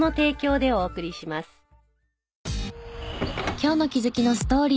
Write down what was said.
今日の気づきのストーリー。